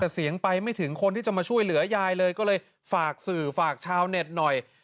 แต่เสียงไปไม่ถึงคนที่จะมาช่วยเหลือยายเลยก็เลยฝากสื่อฝากชาวเน็ตหน่อย